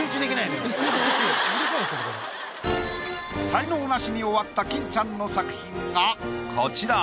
才能ナシに終わった金ちゃんの作品がこちら。